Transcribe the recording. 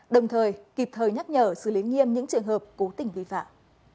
đồng thời kịp thời nhắc nhở xử lý nghiêm những trường hợp cố tình vi phạm